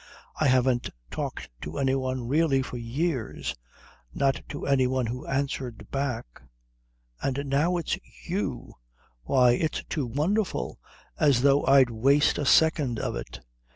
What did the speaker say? I haven't talked to any one really for years not to any one who answered back. And now it's you! Why, it's too wonderful! As though I'd waste a second of it."